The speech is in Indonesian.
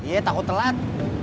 iya takut telat